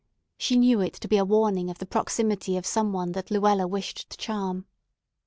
She knew it to be a warning of the proximity of some one that Luella wished to charm.